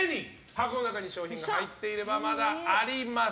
箱の中に商品が入っていればまだあります。